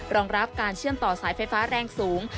รองรับการเชื่อมต่อสายไฟฟ้าแรงสูง